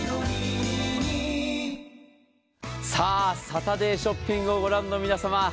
「サタデーショッピング」をご覧の皆さま